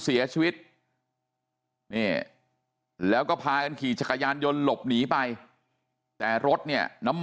เสียชีวิตนี่แล้วก็พากันขี่จักรยานยนต์หลบหนีไปแต่รถเนี่ยน้ำ